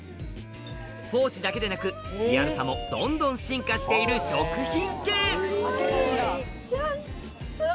ポーチだけでなくリアルさもどんどん進化している食品系ジャンほら。